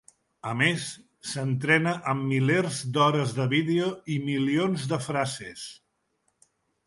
A més, s’entrena amb milers d’hores de vídeo i milions de frases.